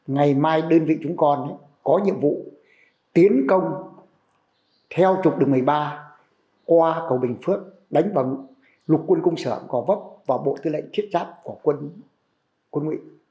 ngày mai đơn vị chúng con có nhiệm vụ tiến công theo trục đường một mươi ba qua cầu bình phước đánh vào lục quân cung sở gò vấp vào bộ tư lệnh thiết giáp của quân nguyễn